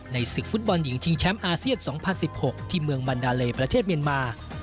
ศึกฟุตบอลหญิงชิงแชมป์อาเซียน๒๐๑๖ที่เมืองมันดาเลประเทศเมียนมา